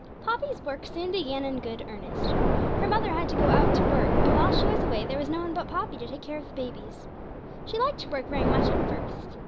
Poppy's work soon began in good earnest. Her mother had to go out to work, and whilst she was away there was no one but Poppy to take care of the babies. She liked her work very much at first.